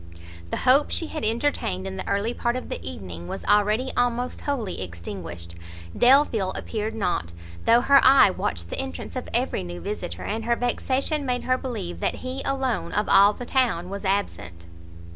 The hope she had entertained in the early part of the evening, was already almost wholly extinguished; Delvile appeared not! though her eye watched the entrance of every new visitor, and her vexation made her believe that he alone, of all the town, was absent.